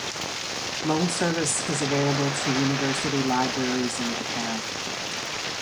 Loan service is available to university libraries in Japan.